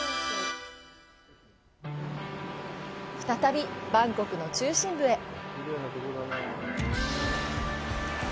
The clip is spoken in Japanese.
再びバンコクの中心部へ。